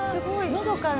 のどかな。